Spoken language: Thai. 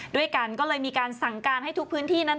ด้วยกันก็เลยมีการสั่งการให้ทุกพื้นที่นั้น